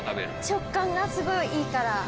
食感がすごいいいから。